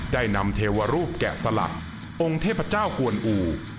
ได้นำเทวรูปแกะสลักองค์เทพเจ้ากวนอู่